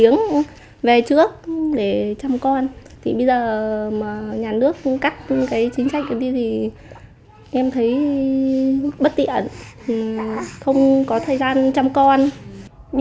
nếu nhà nước cắt chính sách thì em thấy bất tiện không có thời gian chăm con